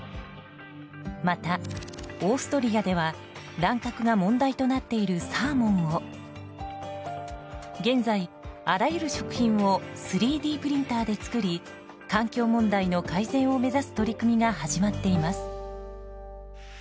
また、オーストリアでは乱獲が問題となっているサーモンを現在、あらゆる食品を３Ｄプリンターで作り環境問題の改善を目指す取り組みが始まっています。